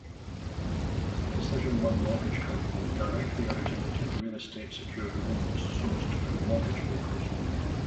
Decision One mortgage company directly originated real estate secured loans sourced through mortgage brokers.